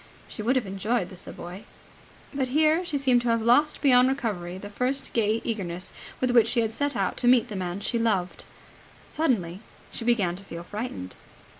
She would have enjoyed the Savoy. But here she seemed to have lost beyond recovery the first gay eagerness with which she had set out to meet the man she loved. Suddenly she began to feel frightened.